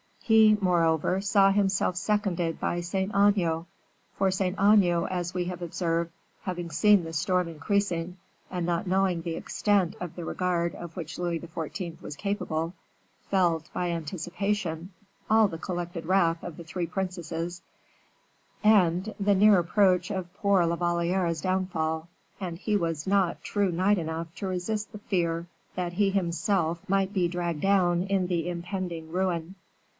He, moreover, saw himself seconded by Saint Aignan, for Saint Aignan, as we have observed, having seen the storm increasing, and not knowing the extent of the regard of which Louis XIV. was capable, felt, by anticipation, all the collected wrath of the three princesses, and the near approach of poor La Valliere's downfall, and he was not true knight enough to resist the fear that he himself might be dragged down in the impending ruin.